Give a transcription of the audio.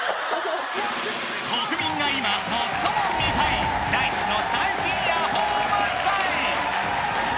国民が今最も見たいナイツの最新ヤホー漫才